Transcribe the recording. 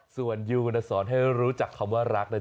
ส่วนยูนะสอนให้รู้จักคำว่ารักนะจ๊ะ